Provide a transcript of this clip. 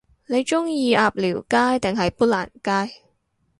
你鍾意鴨寮街定係砵蘭街？